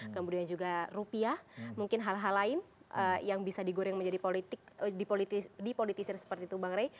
kemudian juga rupiah mungkin hal hal lain yang bisa digoreng menjadi dipolitisir seperti itu bang rey